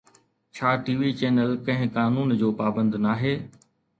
ڇا T V channel ڪنهن قانون جو پابند ناهي؟